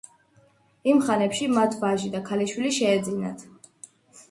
იმ ხანებში მათ ვაჟი და ქალიშვილი შეეძინათ.